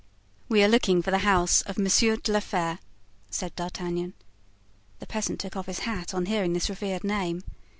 "We are looking for the house of Monsieur de la Fere," said D'Artagnan. The peasant took off his hat on hearing this revered name.